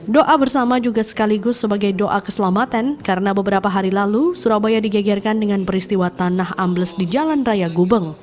doa bersama juga sekaligus sebagai doa keselamatan karena beberapa hari lalu surabaya digegerkan dengan peristiwa tanah ambles di jalan raya gubeng